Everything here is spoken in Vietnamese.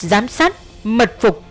giám sát mật phục